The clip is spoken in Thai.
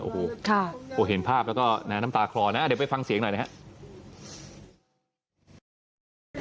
โอ้โหเห็นภาพแล้วก็น้ำตาคลอนะเดี๋ยวไปฟังเสียงหน่อยนะครับ